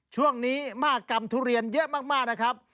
ช่วงนี้มากรรมทุเรียนเยอะมากนะครับ